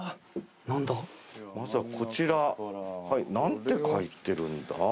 まずはこちらなんて書いてるんだ？